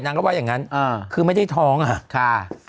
นางก็ว่าอย่างนั้นคือไม่ได้ท้องอ่ะ